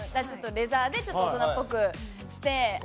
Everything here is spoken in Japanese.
レザーで、ちょっと大人っぽくして。